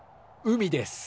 海です。